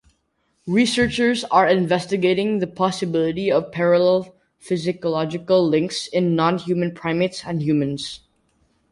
Researchers are investigating the possibility of parallel physiological links in non-human primates and humans.